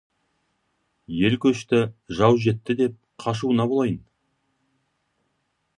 Ел көшті, жау жетті деп, қашуына болайын.